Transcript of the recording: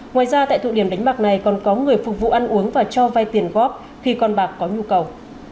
ngoài ra tại thụ điểm đánh bạc này còn có người phục vụ ăn uống và cho vay tiền góp khi con bạc có nhu cầu